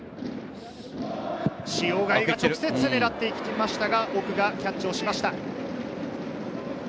塩貝が直接狙っていきましたが、奥がキャッチをしました。